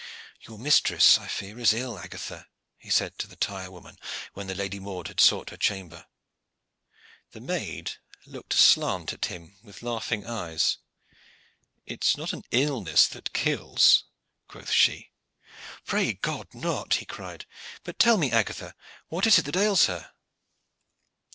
"Your mistress, I fear, is ill, Agatha," he said to the tire woman, when the Lady Maude had sought her chamber. The maid looked aslant at him with laughing eyes. "It is not an illness that kills," quoth she. "Pray God not!" he cried. "But tell me, Agatha, what it is that ails her?"